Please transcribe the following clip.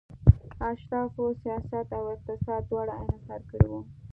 اشرافو سیاست او اقتصاد دواړه انحصار کړي وو.